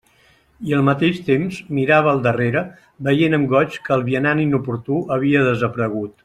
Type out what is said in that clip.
I al mateix temps mirava al darrere, veient amb goig que el vianant inoportú havia desaparegut.